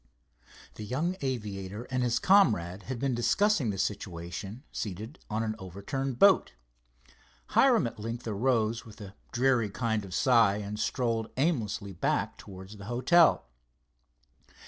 The young aviator and his comrade had been discussing the situation seated on an overturned boat. Hiram at length arose with a dreary kind of sigh and strolled aimlessly back towards the hotel.